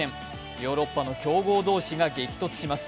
ヨーロッパの強豪同士が激突します。